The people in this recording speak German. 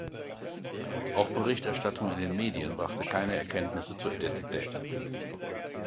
Auch Berichterstattung in den Medien brachte keine Erkenntnisse zur Identität.